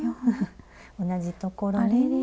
同じところに。